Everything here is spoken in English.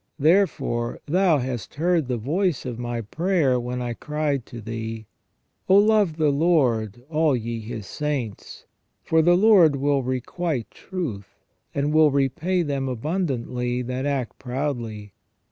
Therefore Thou hast heard the voice of my prayer, when I cried to Thee. Oh, love the Lord, all ye His saints ; for the Lord will requite truth, and will repay them abundantly that act proudly.